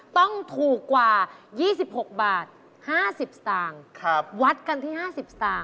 ต้องถูกกว่า๒๖บาท๕๐สตางค์วัดกันที่๕๐สตางค